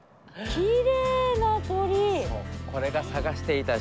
きれいな鳥。